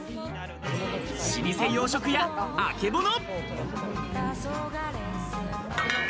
老舗洋食屋、あけぼの。